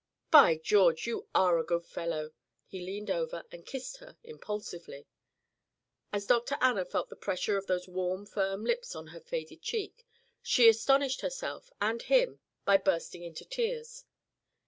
"By George, you are a good fellow!" He leaned over and kissed her impulsively. As Dr. Anna felt the pressure of those warm firm lips on her faded cheek, she astonished herself and him by bursting into tears.